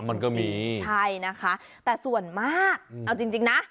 มันก็มีใช่นะคะแต่ส่วนมากเอาจริงนะ